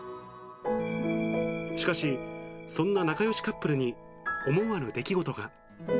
しかし、そんな仲よしカップルに思わぬ出来事が。